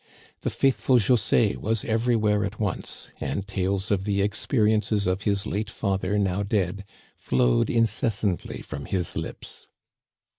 The faithful José was everywhere at once, and tales of the experiences of his " late father, now dead " flowed incessantly from his lips.